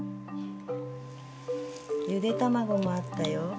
ゆで卵もあったよ。